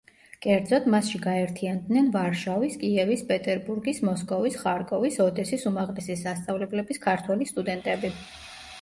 კერძოდ, მასში გაერთიანდნენ ვარშავის, კიევის, პეტერბურგის, მოსკოვის, ხარკოვის, ოდესის უმაღლესი სასწავლებლების ქართველი სტუდენტები.